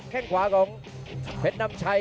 จริงแล้วก็ใช่